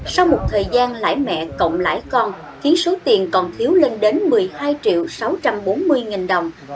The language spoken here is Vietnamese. sau một thời gian lãi mẹ cộng lãi con khiến số tiền còn thiếu lên đến một mươi hai triệu sáu trăm bốn mươi đồng